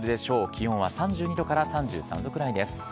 気温は３２度から３３度くらいです。